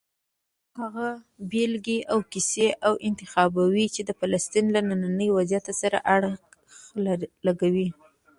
هغه بېلګې او کیسې انتخابوي چې د فلسطین له ننني وضعیت سره اړخ لګوي.